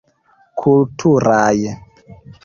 Kulturaj.